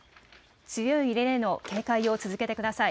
強い揺れへの警戒を続けてください。